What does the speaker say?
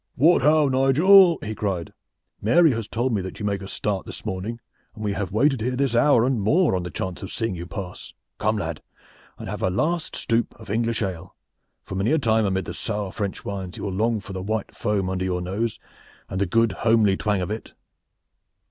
"What how, Nigel!" he cried. "Mary has told me that you make a start this morning, and we have waited here this hour and more on the chance of seeing you pass. Come, lad, and have a last stoup of English ale, for many a time amid the sour French wines you will long for the white foam under your nose, and the good homely twang of it."